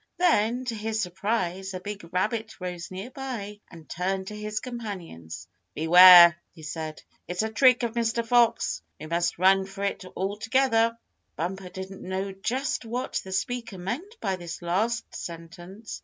Then, to his surprise, a big rabbit rose near by, and turned to his companions. "Beware!" he said. "It's a trick of Mr. Fox! We must run for it altogether!" Bumper didn't know just what the speaker meant by this last sentence.